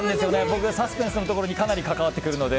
僕はサスペンスのところにかなり関わってくるので。